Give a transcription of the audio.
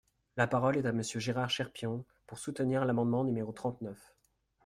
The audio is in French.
La parole est à Monsieur Gérard Cherpion, pour soutenir l’amendement numéro trente-neuf.